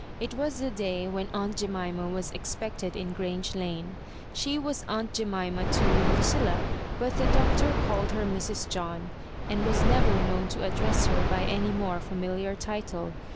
It was the day when aunt Jemima was expected in Grange Lane. She was aunt Jeminia to Lucilla; but the Doctor called her. Mrs. John, and was never known to address her by any more familiar title.